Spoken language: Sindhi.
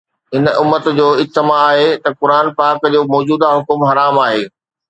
هن امت جو اجماع آهي ته قرآن پاڪ جو موجوده حڪم حرام آهي